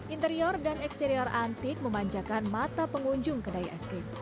interior dan eksterior antik memanjakan mata pengunjung kedai es krim